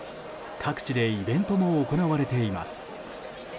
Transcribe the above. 各地でイベントも行われています。